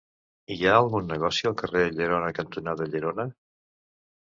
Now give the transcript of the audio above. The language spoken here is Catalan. Hi ha algun negoci al carrer Llerona cantonada Llerona?